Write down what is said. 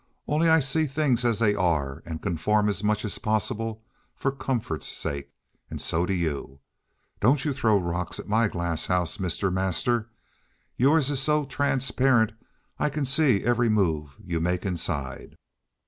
Only I see things as they are, and conform as much as possible for comfort's sake, and so do you. Don't you throw rocks at my glass house, Mister Master. Yours is so transparent I can see every move you make inside."